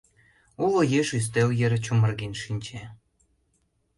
Уло еш ӱстел йыр чумырген шинче.